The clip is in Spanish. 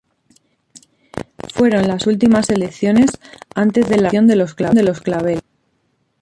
Fueron las últimas elecciones antes de la Revolución de los Claveles.